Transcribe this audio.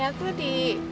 jakarta serba ada ya